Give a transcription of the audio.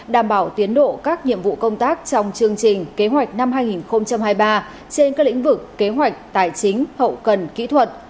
đảm bảo tiến độ các nhiệm vụ công tác trong chương trình kế hoạch năm hai nghìn hai mươi ba trên các lĩnh vực kế hoạch tài chính hậu cần kỹ thuật